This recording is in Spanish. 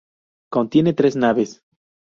Contiene tres naves.